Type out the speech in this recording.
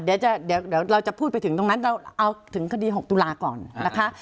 เดี๋ยวเราจะพูดไปถึงตรงนั้นเราเอาถึงคดี๖ตุลาก่อนนะคะ